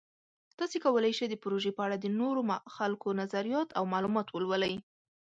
تاسو کولی شئ د پروژې په اړه د نورو خلکو نظریات او معلومات ولولئ.